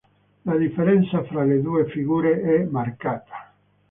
La differenza fra le due figure è marcata.